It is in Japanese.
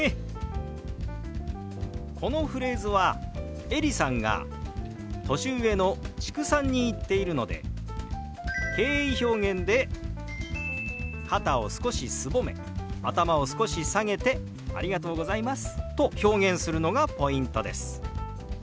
このフレーズはエリさんが年上の知久さんに言っているので敬意表現で肩を少しすぼめ頭を少し下げて「ありがとうございます」と表現するのがポイントです。